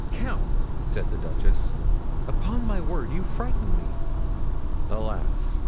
"Count," said the duchess, "upon my word, you frighten me." "Alas!"